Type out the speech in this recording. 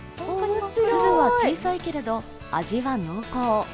粒は小さいけれど味は濃厚。